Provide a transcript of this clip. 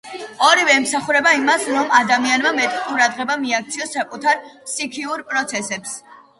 ორივე ემსახურება იმას, რომ ადამიანმა მეტი ყურადღება მიაქციოს საკუთარ ფსიქიკურ პროცესებს.